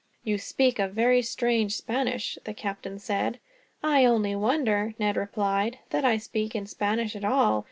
"You speak a very strange Spanish," the captain said. "I only wonder," Ned replied, "that I speak in Spanish at all.